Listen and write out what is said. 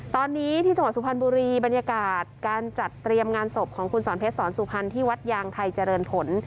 ตอนนี้ที่จังหวัดสุพรรณบุรีบรรยากาศการจัดเตรียมงานศพของคุณสอนเพชรสอนสุพรรณที่วัดยางไทยเจริญผล